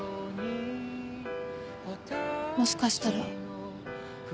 もしかしたら。